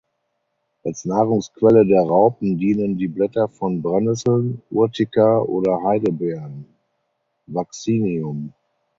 Als Nahrungsquelle der Raupen dienen die Blätter von Brennnesseln ("Urtica") oder Heidelbeeren ("Vaccinium").